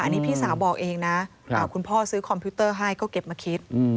อันนี้พี่สาวบอกเองนะคุณพ่อซื้อคอมพิวเตอร์ให้ก็เก็บมาคิด